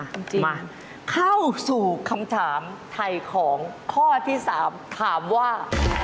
อ้าวมาเข้าสู่คำถามไทยของข้อที่๓ถามว่า